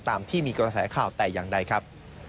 ตามที่มีกระแสข่าวแต่อย่างใดครับ